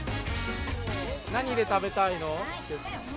何で食べたいの？